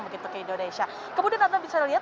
begitu ke indonesia kemudian anda bisa lihat